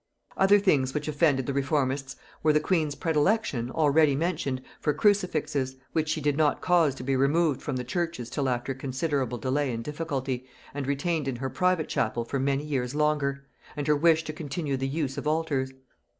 Other things which offended the reformists were, the queen's predilection, already mentioned, for crucifixes, which she did not cause to be removed from the churches till after considerable delay and difficulty, and retained in her private chapel for many years longer, and her wish to continue the use of altars.